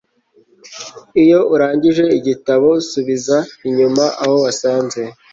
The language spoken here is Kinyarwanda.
iyo urangije igitabo, subiza inyuma aho wasanze